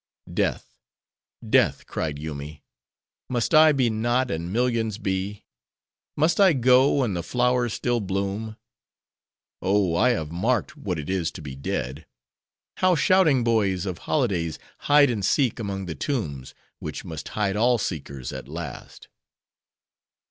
"Death! death!" cried Yoomy, "must I be not, and millions be? Must I go, and the flowers still bloom? Oh, I have marked what it is to be dead;—how shouting boys, of holidays, hide and seek among the tombs, which must hide all seekers at last."